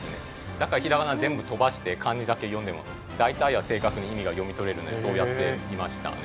だからひらがな全部飛ばして漢字だけ読んでも大体は正確に意味が読み取れるのでそうやっていましたね。